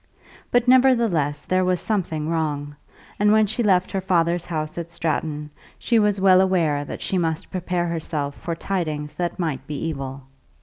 But nevertheless there was something wrong, and when she left her father's house at Stratton, she was well aware that she must prepare herself for tidings that might be evil.